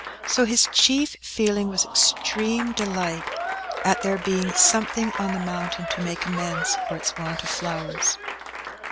So his chief feeling was extreme delight at there being something on the mountain to make amends for its want of flowers.